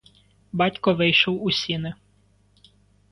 Батько вийшов у сіни.